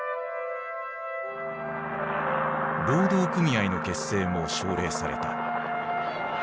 労働組合の結成も奨励された。